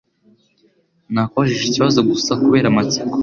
Nakubajije ikibazo gusa kubera amatsiko.